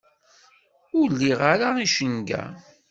Ur liɣ ara icenga.